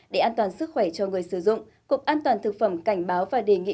để an toàn sức khỏe cho người sử dụng cục an toàn thực phẩm cảnh báo và đề nghị